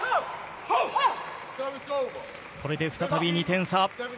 これで再び２点差。